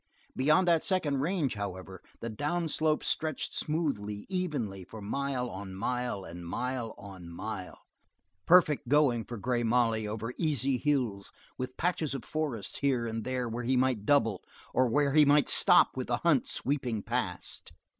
Beyond that second range, however, the down slope stretched smoothly, evenly, for mile on mile and mile on mile; perfect going for Grey Molly over easy hills with patches of forest here and there where he might double, or where he might stop with the hunt sweeping past.